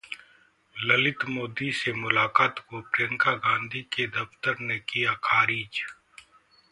ललित मोदी से मुलाकात को प्रियंका गांधी के दफ्तर ने किया खारिज